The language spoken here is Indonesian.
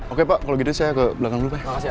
oke pak kalau gitu saya ke belakang dulu pak